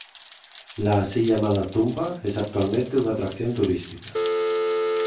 La así llamada "tumba" es actualmente una atracción turística.